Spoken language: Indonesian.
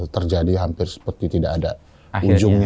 terjadi hampir seperti tidak ada ujungnya